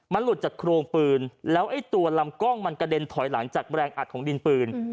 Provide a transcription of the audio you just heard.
มันหลุดจากโครงปืนแล้วไอ้ตัวลำกล้องมันกระเด็นถอยหลังจากแรงอัดของดินปืน